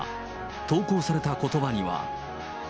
投稿されたことばには。